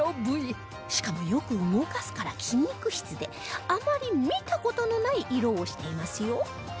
しかもよく動かすから筋肉質であまり見た事のない色をしていますよ